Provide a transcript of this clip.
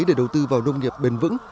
để đầu tư vào nông nghiệp bền vững